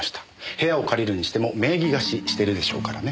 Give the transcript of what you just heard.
部屋を借りるにしても名義貸ししてるでしょうからね。